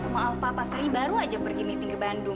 maaf papa ferry baru aja pergi meeting ke bandung